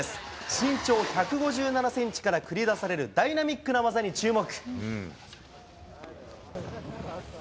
身長１５７センチから繰り出されるダイナミックな技に注目。